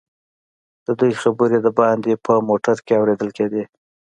ددوئ خبرې دباندې په موټر کې اورېدل کېدې.